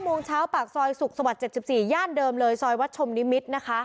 โมงเช้าปากซอยสุขสวรรค์๗๔ย่านเดิมเลยซอยวัดชมนิมิตรนะคะ